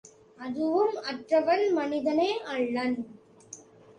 அதுவும் அற்றவன் மனிதனே அல்லன்.